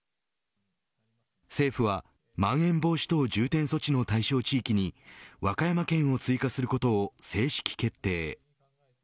政府は、まん延防止等重点措置の対象地域に和歌山県を追加することを正式決定へ。